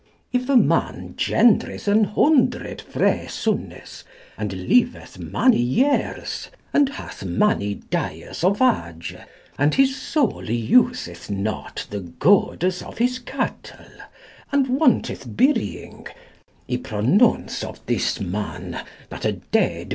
If 3 a man gendrithb an hundridf frec sones, and lyueth many 3eris, and hath many daies of age, and his soule vsith not the goodis of his catel, and wantith biriyng ; Y pronounce of this man, that a deed